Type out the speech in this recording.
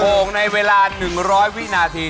โอ่งในเวลา๑๐๐วินาที